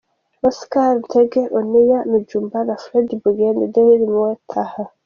Oscar Ntege Oneal Mujjumbura Fred Bugembe Daville Mohsen Taha.